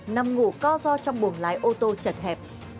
nằm ngủ co do trong buồng lái ô tô chật hẹp